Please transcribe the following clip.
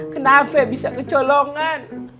kenapa bisa kecolongan